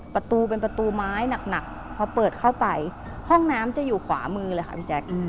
ประตูเป็นประตูไม้หนักพอเปิดเข้าไปห้องน้ำจะอยู่ขวามือเลยค่ะพี่แจ๊ค